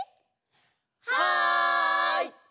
はい！